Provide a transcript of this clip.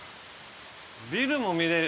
ビルも見れる。